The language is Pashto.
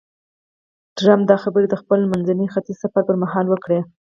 ټرمپ دا خبرې د خپل منځني ختیځ سفر پر مهال وکړې.